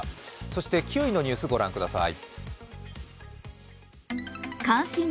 そして９位のニュースご覧ください。